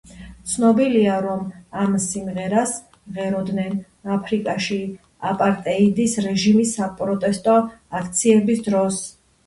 ცნობილია, რომ ამ სიმღერას მღეროდნენ აფრიკაში, აპარტეიდის რეჟიმის საპროტესტო აქციების დროს.